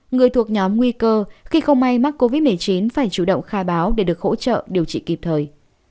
người thuộc nhóm nguy cơ khi không may mắc covid một mươi chín phải chủ động khai báo để được hỗ trợ điều trị kịp thời